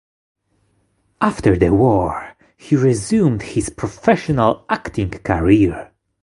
After the war he resumed his professional acting career.